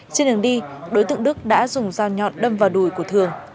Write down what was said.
trên đường đi đối tượng đức đã dùng dao nhọn đâm vào đùi của thường